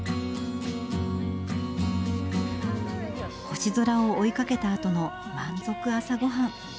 星空を追いかけたあとの満足朝ごはん。